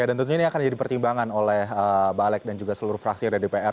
ya dan tentunya ini akan jadi pertimbangan oleh balek dan juga seluruh fraksi ada dpr